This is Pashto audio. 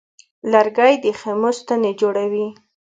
لرګی د خیمو ستنې جوړوي.